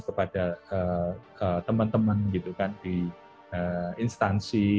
kepada teman teman gitu kan di instansi